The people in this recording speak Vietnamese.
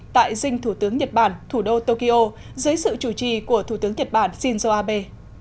tại dinh thủ tướng nhật bản thủ đô tokyo dưới sự chủ trì của thủ tướng nhật bản shinzo abe